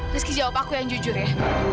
rizky jawab aku yang jujur ya